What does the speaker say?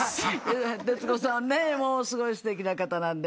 徹子さんねすごいすてきな方なんで。